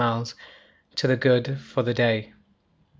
miles to the good for the day.